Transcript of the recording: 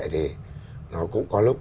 thì nó cũng có lúc